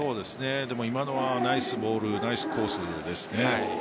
でも今のはナイスボールナイスコースですね。